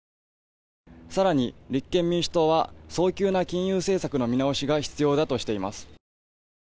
更に、立憲民主党は早急な金融政策の見直しが必要だとしています。